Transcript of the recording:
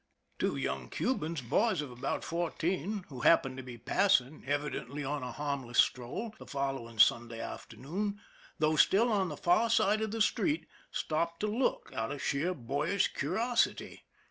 Two young Cubans, boys about fourteen, who happened to be passing, evidently on a harmless stroll, the follow ing Sunday afternoon, though still on the far side of the street, stopped to look, out of sheer boyish curiosity.